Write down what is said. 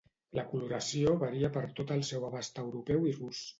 La coloració varia per tot el seu abast europeu i rus.